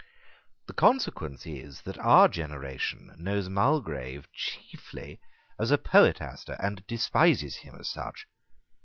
The consequence is that our generation knows Mulgrave chiefly as a poetaster, and despises him as such.